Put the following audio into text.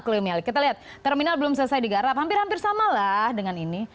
kita lihat terminal belum selesai digarap hampir hampir sama lah dengan ini